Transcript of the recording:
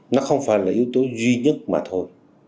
nó không phải là yếu tố duy nhất mà thôi